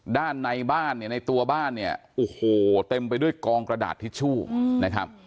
ด้านในบ้านเนี่ยในตัวบ้านเนี่ยโอ้โหเต็มไปด้วยกองกระดาษทิชชู่นะครับ